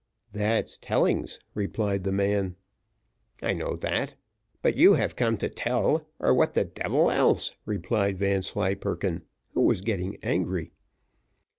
"That's tellings," replied the man. "I know that; but you have come to tell, or what the devil else?" replied Vanslyperken, who was getting angry.